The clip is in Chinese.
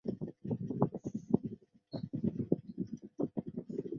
特殊情况时也可能对样本进行临时调整。